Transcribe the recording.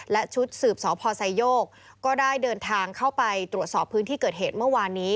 และชุดสืบสพไซโยกก็ได้เดินทางเข้าไปตรวจสอบพื้นที่เกิดเหตุเมื่อวานนี้